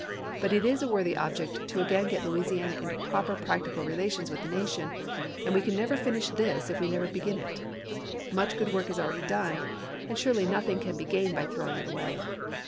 But it is a worthy object to again get Louisiana into proper practical relations with the nation, and we can never finish this if we never begin it. Much good work is already done, and surely nothing can be gained by throwing it away.